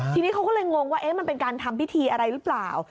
ทีนี้เขาก็เลยงงว่ามันเป็นการทำพิธีอะไรหรือเปล่า